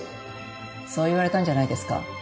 そう言われたんじゃないですか？